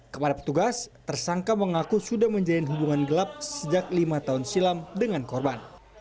kepada petugas tersangka mengaku sudah menjalin hubungan gelap sejak lima tahun silam dengan korban